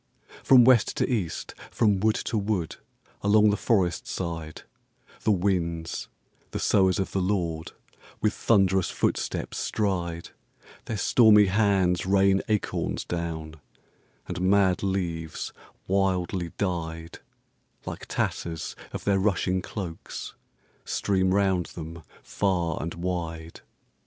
From West to East, from wood to wood, along the forest side, The winds, the sowers of the LORD, with thunderous footsteps stride; Their stormy hands rain acorns down; and mad leaves, wildly dyed, Like tatters of their rushing cloaks, stream round them far and wide.